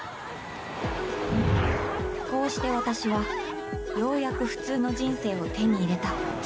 「こうして私はようやく普通の人生を手に入れた」